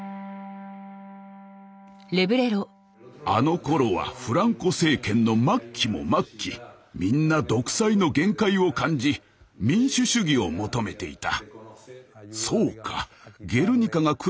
あのころはフランコ政権の末期も末期みんな独裁の限界を感じ民主主義を求めていた。